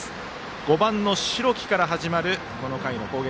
５番の代木から始まるこの回の攻撃。